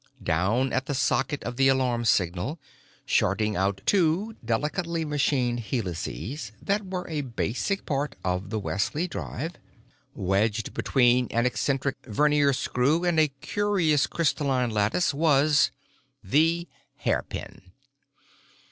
Down at the socket of the alarm signal, shorting out two delicately machined helices that were a basic part of the Wesley drive, wedged between an eccentric vernier screw and a curious crystalline lattice, was—the hairpin.